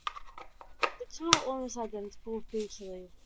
The two are almost identical featurally.